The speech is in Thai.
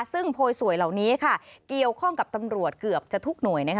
ซึ่งโพยสวยเหล่านี้ค่ะเกี่ยวข้องกับตำรวจเกือบจะทุกหน่วยนะคะ